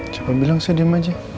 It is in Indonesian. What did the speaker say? cuma bilang saya diem aja